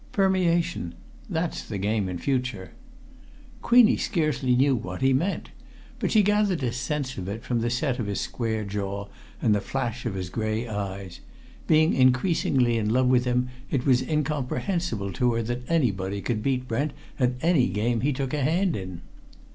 Permeation! that's the game in future." Queenie scarcely knew what he meant. But she gathered a sense of it from the set of his square jaw and the flash of his grey eyes; being increasingly in love with him, it was incomprehensible to her that anybody could beat Brent at any game he took a hand in.